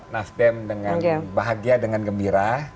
nasdem bahagia dengan gembira